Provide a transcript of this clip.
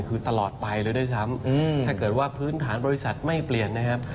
คือตลอดไปเลยด้วยซ้ำถ้าเกิดว่าพื้นฐานบริษัทไม่เปลี่ยนนะครับ